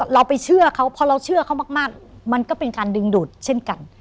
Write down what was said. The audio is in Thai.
เราไปเชื่อเขาพอเราเชื่อเขามากมันก็เป็นการดึงดูดเช่นกัน